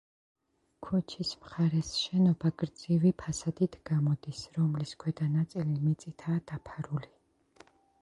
ქუჩის მხარეს შენობა გრძივი ფასადით გამოდის, რომლის ქვედა ნაწილი მიწითაა დაფარული.